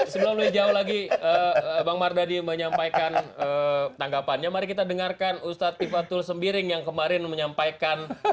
sebelum lebih jauh lagi bang mardhani menyampaikan tanggapannya mari kita dengarkan ustadz ipatul sembiring yang kemarin menyampaikan